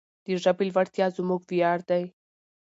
د ژبې لوړتیا زموږ ویاړ دی.